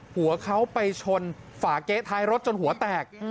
หัวเขาไปชนฝาเก๊ะท้ายรถจนหัวแตก